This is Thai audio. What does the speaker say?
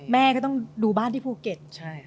แม่ก็ต้องดูบ้านที่ภูเก็ต